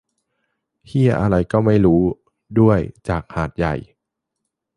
เหี้ยอะไรก็ไม่รู้ ด้วย จากหาดใหญ่